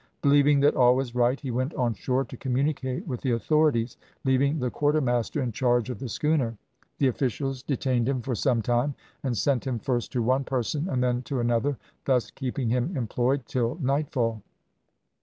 Believing that all was right he went on shore to communicate with the authorities, leaving the quarter master in charge of the schooner. The officials detained him for some time, and sent him first to one person and then to another, thus keeping him employed till nightfall.